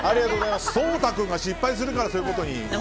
颯太君が失敗するからそういうことに。